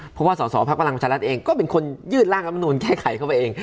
เพราะว่าสสพลังประชารัฐเองก็เป็นคนยืดร่างสมนตร์แค่ไขเข้าไปเอง